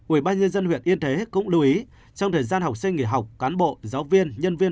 ubnd huyện yên thế cũng lưu ý trong thời gian học sinh nghỉ học cán bộ giáo viên nhân viên